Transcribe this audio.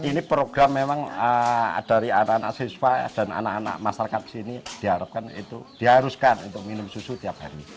ini program memang dari anak anak siswa dan anak anak masyarakat di sini diharapkan itu diharuskan untuk minum susu tiap hari